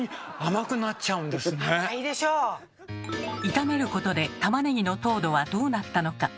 炒めることでたまねぎの糖度はどうなったのか。